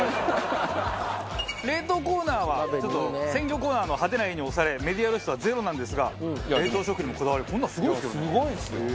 冷凍コーナーはちょっと鮮魚コーナーの派手な画に押されメディア露出はゼロなんですが冷凍食品にもこだわりこんなのすごいですけどね。